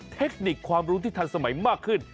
เทคนิคความรู้ที่ทันสมัยมากขึ้น